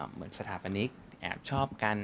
เหมือนสถาปนิกแอบชอบกัน